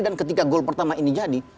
dan ketika gol pertama ini jadi